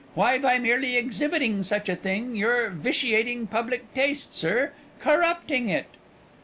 Why, by merely exhibiting such a thing, you're vitiating public taste, sir corrupting it."